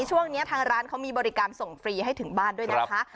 ช่วงนี้ทางร้านเขามีบริการส่งฟรีให้ถึงบ้านด้วยนะคะ